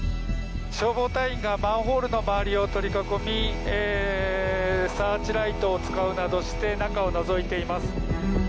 消防隊員がマンホールの周りを取り囲みサーチライトを使うなどして中をのぞいています。